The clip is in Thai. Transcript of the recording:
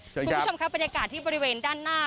คุณผู้ชมครับบรรยากาศที่บริเวณด้านหน้า